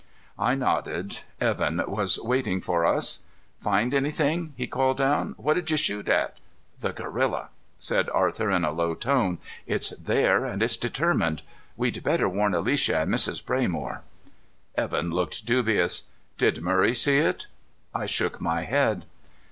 I nodded. Evan was waiting for us. "Find anything?" he called down. "What did you shoot at?" "The gorilla," said Arthur in a low tone. "It's there and it's determined. We'd better warn Alicia and Mrs. Braymore." Evan looked dubious. "Did Murray see it?" I shook my head.